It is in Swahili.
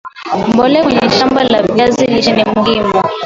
mbolea kwenye shamba la viazi lishe ni muhimu